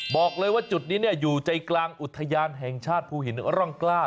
บอกเลยว่าจุดนี้อยู่ใจกลางอุทยานแห่งชาติภูหินร่องกล้า